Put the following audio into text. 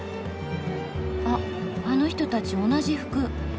あっあの人たち同じ服。